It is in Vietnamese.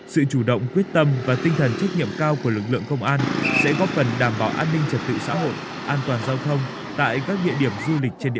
sự chủ động quyết tâm và tinh thần trách nhiệm cao của lực lượng công an sẽ góp phần đảm bảo an ninh trật tự